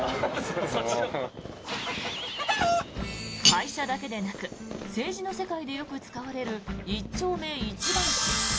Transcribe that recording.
会社だけでなく政治の世界でよく使われる一丁目一番地。